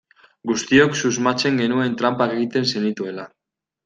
Guztiok susmatzen genuen tranpak egiten zenituela.